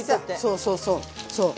そうそうそうそう。